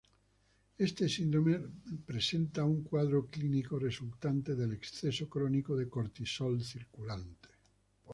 Este síndrome presenta un cuadro clínico resultante del exceso crónico de cortisol circulante.